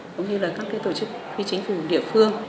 cũng như là các tổ chức phi chính phủ địa phương